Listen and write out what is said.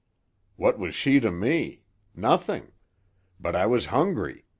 "What was she to me? Nothing! But I was hungry.